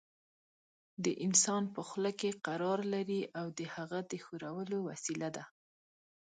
د انسان په خوله کې قرار لري او د هغه د ښورولو وسیله ده.